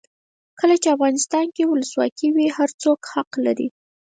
کله چې افغانستان کې ولسواکي وي هر څوک حق لري.